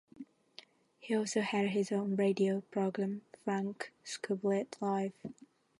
He also had his own radio program Frank Scoblete Live!